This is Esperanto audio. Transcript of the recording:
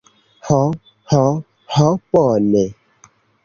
Ho, ho, ho bone.